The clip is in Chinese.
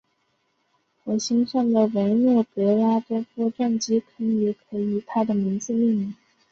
火星上的维诺格拉多夫撞击坑也以他的名字命名。